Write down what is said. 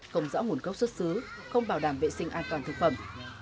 không rõ nguồn gốc xuất xứ không bảo đảm vệ sinh an toàn thực phẩm